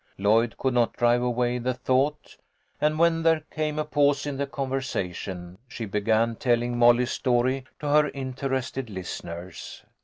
Lloyd could not drive away the thought, and when there came a pause in the conversation she began telling Molly's story to her interested listeners.